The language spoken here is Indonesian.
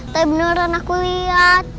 tapi beneran aku liat